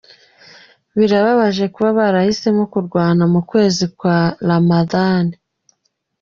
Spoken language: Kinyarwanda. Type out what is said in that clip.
Birababaje kuba barahisemo kurwana mu kwezi kwa Ramadan.